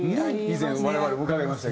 以前我々も伺いました。